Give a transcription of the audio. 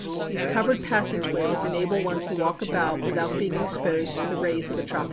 These covered passageways enable one to walk about without being exposed to the rays of a tropical sun.